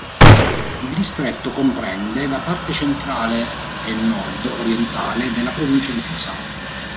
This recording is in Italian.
Il distretto comprende la parte centrale e nord orientale della provincia di Pisa.